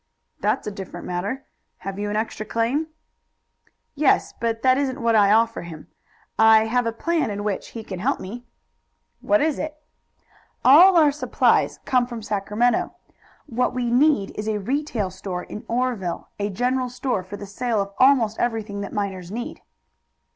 "That's a different matter. Have you an extra claim?" "Yes; but that isn't what I offer him. I have a plan in which he can help me." "What is it?" "All our supplies come from Sacramento. What we need is a retail store in Oreville a general store for the sale of almost everything that miners need."